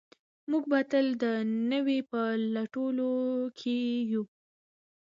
موږ به تل د نوي په لټولو کې یو.